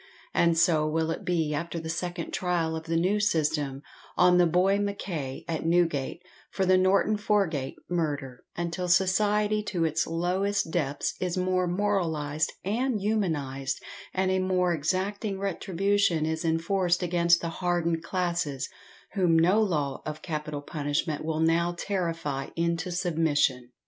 And so will it be after the second trial of the new system, on the boy MACKAY, at Newgate, for the Norton Forgate murder, until society to its lowest depths is more moralised and humanised; and a more exacting retribution is enforced against the hardened classes, whom no law of capital punishment will now terrify into submission.